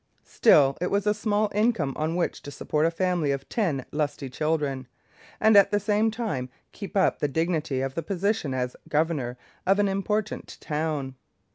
Still, it was a small income on which to support a family of ten lusty children, and at the same time keep up the dignity of the position as governor of an important town.